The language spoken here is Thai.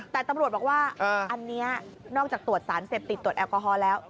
แต่ตำรวจบอกว่าอันนี้นอกจากตรวจสารเสพติดตรวจแอลกอฮอล์แล้ว